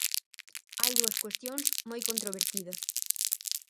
Hai dúas cuestións moi controvertidas.